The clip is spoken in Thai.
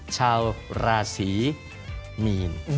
ชาวราศีมีน